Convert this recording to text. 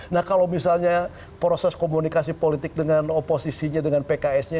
nah kalau misalnya proses komunikasi politik dengan oposisinya dengan pks nya